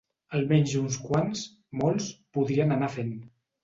Almenys uns quants –molts– podrien anar fent.